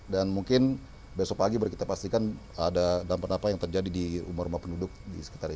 dan mungkin besok pagi kita pastikan ada dampak apa yang terjadi di rumah rumah penduduk di sekitar ini